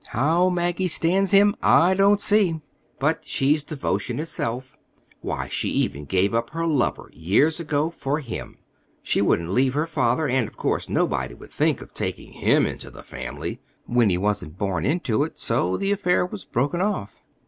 How Maggie stands him I don't see; but she's devotion itself. Why, she even gave up her lover years ago, for him. She wouldn't leave her father, and, of course, nobody would think of taking him into the family, when he wasn't born into it, so the affair was broken off.